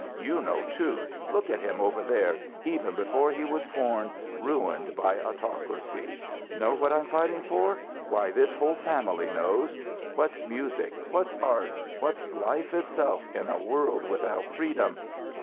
You know, too. Look at him over there, even before he was born, ruined by autocracy! Know what I'm fighting for? Why, this whole family knows! What's music, what's art, what's life itself in a world without freedom?